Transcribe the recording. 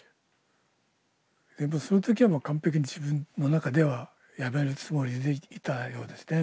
でもその時は完璧に自分の中では辞めるつもりでいたようですね。